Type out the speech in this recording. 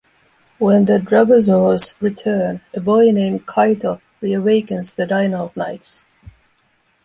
When the Dragozaurs return, a boy named Kaito reawakens the Dino Knights.